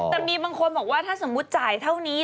แต่มีบางคนบอกว่าถ้าสมมุติจ่ายเท่านี้